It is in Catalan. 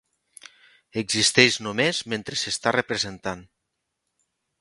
Existeix només mentre s'està representant.